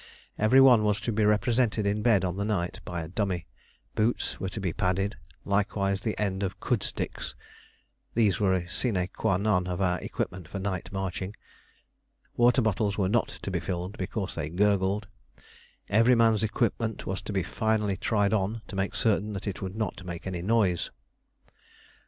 Every one was to be represented in bed on the night by a dummy; boots were to be padded, likewise the ends of khud sticks (these were a sine qua non of our equipment for night marching); water bottles were not to be filled because they gurgled; every man's equipment was to be finally tried on to make certain that it would not make any noise.